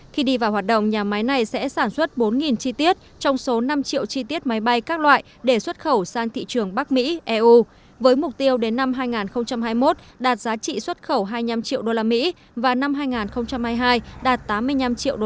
khi đi vào hoạt động nhà máy này sẽ sản xuất bốn chi tiết trong số năm triệu chi tiết máy bay các loại để xuất khẩu sang thị trường bắc mỹ eu với mục tiêu đến năm hai nghìn hai mươi một đạt giá trị xuất khẩu hai mươi năm triệu usd và năm hai nghìn hai mươi hai đạt tám mươi năm triệu usd